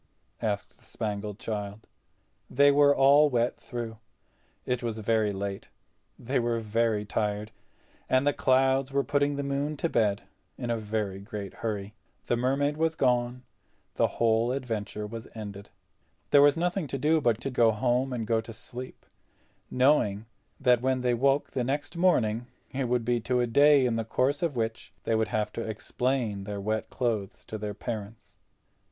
asked the Spangled Child. They were all wet through. It was very late—they were very tired, and the clouds were putting the moon to bed in a very great hurry. The Mermaid was gone; the whole adventure was ended. There was nothing to do but to go home, and go to sleep, knowing that when they woke the next morning it would be to a day in the course of which they would have to explain their wet clothes to their parents.